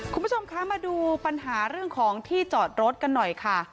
คุณผู้ชมคะมาดูปัญหาเรื่องของที่จอดรถกันหน่อยค่ะ